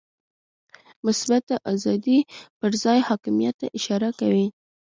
مثبته آزادي پر ځان حاکمیت ته اشاره کوي.